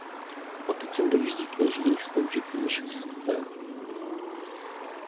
Odtud sem dojíždí kněží sloužit mše svaté.